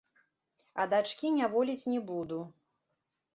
А дачкі няволіць не буду.